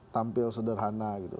tampil sederhana gitu